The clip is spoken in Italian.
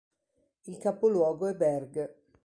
Il capoluogo è Berg.